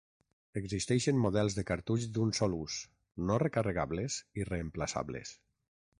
Existeixen models de cartutx d'un sol ús, no recarregables i reemplaçables.